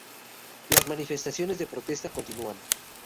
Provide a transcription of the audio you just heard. Las manifestaciones de protesta continúan.